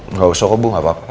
nah gak usah kok bu gak apa apa